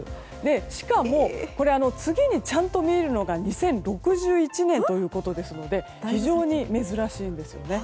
しかも次にちゃんと見えるのが２０６１年ということですので非常に珍しいんですね。